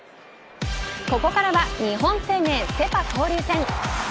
ここからは日本生命セ・パ交流戦。